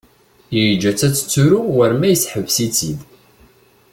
Yeǧǧa-tt ad tettru war ma yesseḥbes-itt-id.